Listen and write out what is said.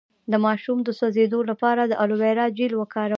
د ماشوم د سوځیدو لپاره د الوویرا جیل وکاروئ